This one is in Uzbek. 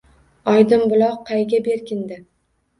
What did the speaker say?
Oydin buloq qayga berkindi?!